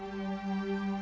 aku sudah berjalan